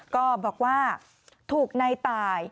ก็บอกว่าถูกในตาย